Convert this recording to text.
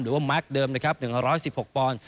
หรือว่าแม็กซ์เดิมนะครับ๑๑๖ปอนด์